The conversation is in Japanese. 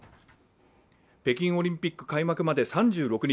北京オリンピック開幕まで３６日。